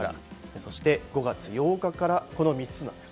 そして５月８日からの３つです。